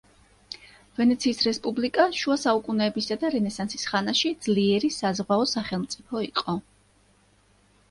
ვენეციის რესპუბლიკა შუა საუკუნეებისა და რენესანსის ხანაში ძლიერი საზღვაო სახელმწიფო იყო.